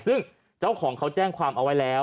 ซึ่งเจ้าของเขาแจ้งความเอาไว้แล้ว